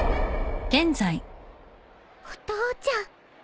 お父ちゃん。